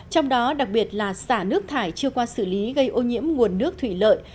trong đó đặc biệt là xả nước thải chưa qua xử lý gây ô nhiễm nguồn nước thủy lợi